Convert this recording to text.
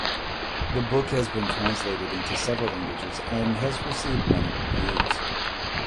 The book has been translated into several languages and has received many reviews.